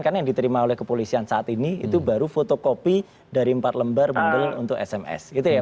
karena yang diterima oleh kepolisian saat ini itu baru fotokopi dari empat lembar manggel untuk sms